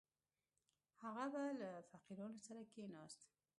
هغه به له فقیرانو سره کښېناست.